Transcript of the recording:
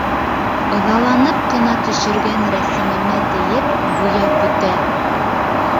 Ыҙаланып ҡына төшөргән рәсемемә тейеп, буяп бөтә.